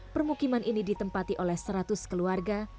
permukiman ini ditempati oleh seratus keluarga